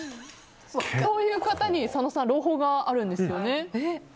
そういう方に朗報があるんですよね。